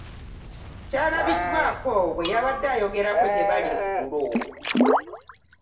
Kyalabiddwako bwe yabadde ayogerako gye bali eggulo